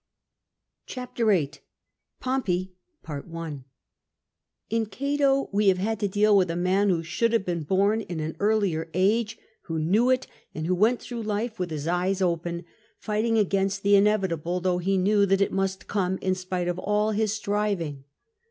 CHAPTEE VIII POMPEY In Cato we have had to deal with a man who should have been born in an earlier age, who knew it, and who went through life with his eyes open, fighting against the in evitable, though he knew that it must come in spite of all his striving.